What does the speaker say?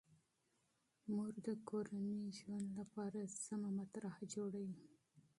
مور د کورني ژوند لپاره سمه پالن جوړوي.